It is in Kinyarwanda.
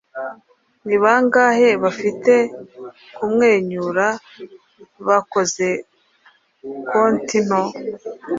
Ni bangahe bafite kumwenyura bakoze konti nto